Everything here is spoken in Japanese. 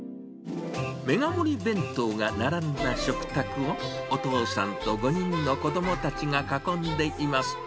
メガ盛り弁当が並んだ食卓を、お父さんと５人の子どもたちが囲んでいます。